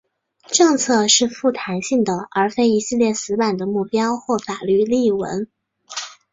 政策是富弹性的而非一系列死板的目标或法律例文。